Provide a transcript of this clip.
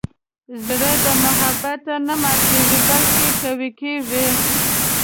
زړه د محبت نه ماتیږي، بلکې قوي کېږي.